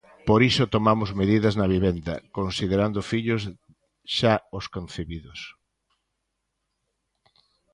Por iso tomamos medidas na vivenda, considerando fillos xa os concibidos.